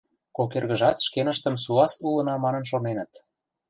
Кок эргыжат шкеныштым суас улына манын шоненыт.